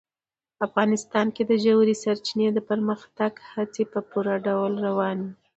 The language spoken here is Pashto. افغانستان کې د ژورې سرچینې د پرمختګ هڅې په پوره ډول روانې دي.